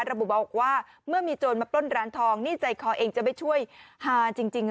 ระบุบอกว่าเมื่อมีโจรมาปล้นร้านทองนี่ใจคอเองจะไปช่วยฮาจริง